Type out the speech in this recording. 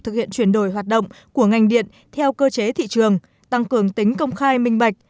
thực hiện chuyển đổi hoạt động của ngành điện theo cơ chế thị trường tăng cường tính công khai minh bạch